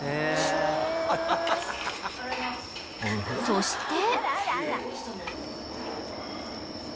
［そして］